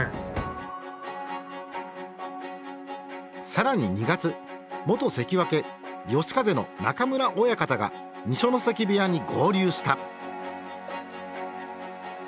更に２月元関脇嘉風の中村親方が二所ノ関部屋に合流した。